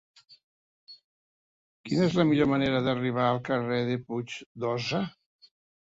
Quina és la millor manera d'arribar al carrer de Puig d'Óssa?